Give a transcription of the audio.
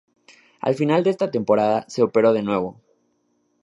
A final de esa temporada se operó de nuevo.